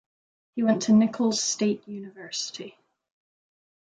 He went to Nicholls State University.